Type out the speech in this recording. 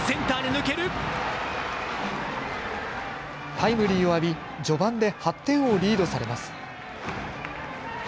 タイムリーを浴び序盤で８点をリードされます。